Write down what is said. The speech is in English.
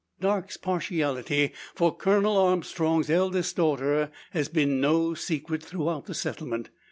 Darke's partiality for Colonel Armstrong's eldest daughter has been no secret throughout the settlement.